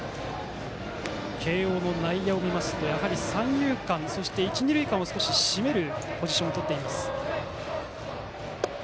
慶応の内野を見ると三遊間とそして一、二塁間を締めるポジションを取っています。